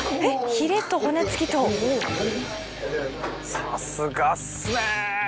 さすがっすね。